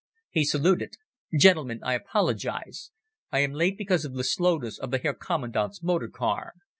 He saluted. "Gentlemen, I apologize. I am late because of the slowness of the Herr Commandant's motor car.